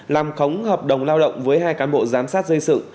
làm khống hợp đồng lao động với hai cán bộ giám sát dân sự